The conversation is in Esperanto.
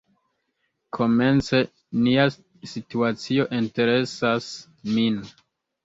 Komence nia situacio interesas min.